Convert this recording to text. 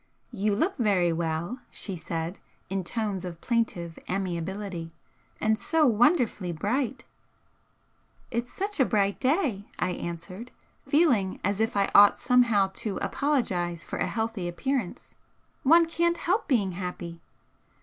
"You look very well!" she said, in tones of plaintive amiability "And so wonderfully bright!" "It's such a bright day," I answered, feeling as if I ought somehow to apologise for a healthy appearance, "One can't help being happy!"